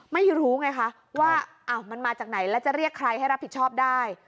ไม่รู้ไงคะว่ามันมาจากไหนแล้วจะเรียกใครให้รับผิดชอบได้